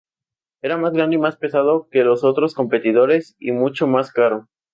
Era más grande y más pesado que los otros competidores, y mucho más caro.